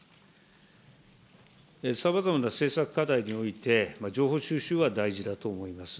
さまざまな政策課題において、情報収集は大事だと思います。